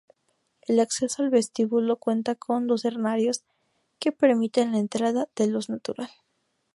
El acceso al vestíbulo cuenta con lucernarios que permiten la entrada de luz natural.